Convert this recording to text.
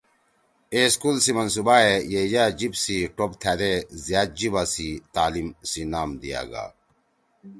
اے سکول سی منصوبا ئے ”یَئیجأ جیِب سی ٹوپ تھأدے زیاد جیِبا سی تعلیم“ سی نام دیا گا۔